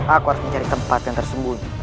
aku harus mencari tempat yang tersembunyi